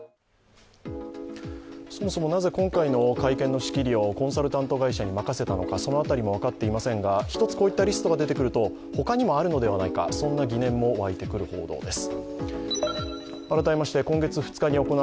そもそもなぜ今回の会見の仕切りをコンサルティング会社に任せたのか、その辺りも分かっていませんが、１つこういったリストが出てくると他にもあるのではないか、そんな疑念も湧いてくる報道です。